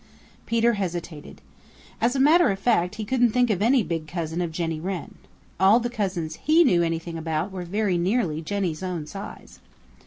Peter hesitated. As a matter of fact, he couldn't think of any big cousin of Jenny Wren. All the cousins he knew anything about were very nearly Jenny's own size.